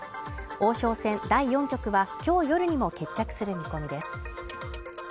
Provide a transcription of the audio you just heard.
王将戦第４局は今日夜にも決着する見込みです